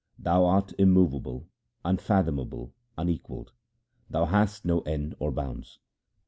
Thou art immovable, unfathomable, unequalled ; thou hast no end or bounds.